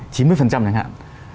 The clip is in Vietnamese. chín mươi chẳng hạn